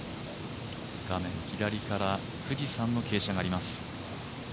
画面左から富士山の傾斜があります。